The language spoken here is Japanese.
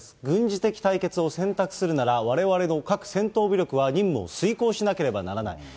軍事的対決を選択するなら、われわれの核戦闘武力は任務を遂行しなければならない。